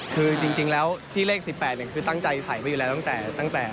คือจริงแล้วที่เลข๑๘คือตั้งใจใส่ไว้อยู่แล้วตั้งแต่